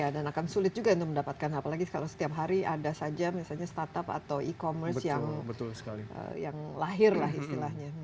akan sulit juga untuk mendapatkan apalagi kalau setiap hari ada saja misalnya startup atau e commerce yang lahirlah istilahnya